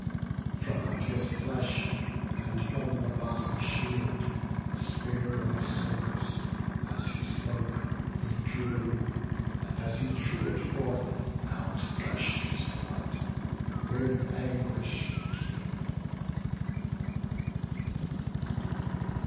From out his flesh, and from the bossy shield, The spear of Socus, as he spoke, he drew; And as he drew it forth, out gush'd his blood, With anguish keen.